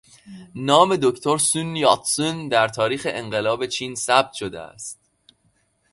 نام دکتر سون یاتسن در تاریخ انقلاب چین ثبت شده است.